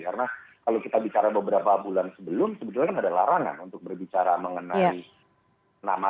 karena kalau kita bicara beberapa bulan sebelum sebetulnya kan ada larangan untuk berbicara mengenai nama nama